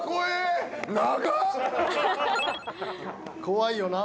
怖いよな。